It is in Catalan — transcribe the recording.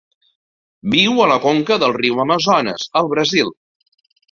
Viu a la conca del riu Amazones, al Brasil.